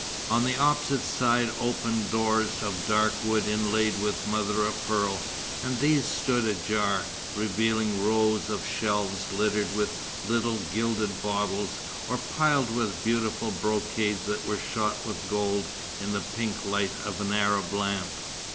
On the opposite side opened doors of dark wood inlaid with mother o' pearl; and these stood ajar, revealing rows of shelves littered with little gilded bottles, or piled with beautiful brocades that were shot with gold in the pink light of an Arab lamp.